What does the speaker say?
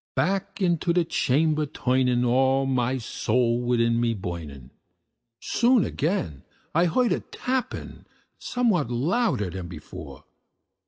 Back into the chamber turning, all my soul within me burning, Soon I heard again a tapping, somewhat louder than before.